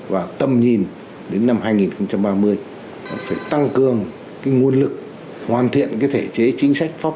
hai nghìn hai mươi năm và tâm nhìn đến năm hai nghìn ba mươi phải tăng cường nguồn lực hoàn thiện cái thể chế chính sách pháp